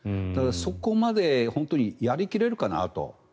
そこまで本当にやり切れるかなと。